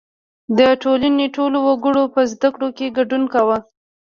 • د ټولنې ټولو وګړو په زدهکړو کې ګډون کاوه.